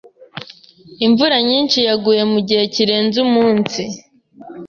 Imvura nyinshi yaguye mu gihe kirenze umunsi. .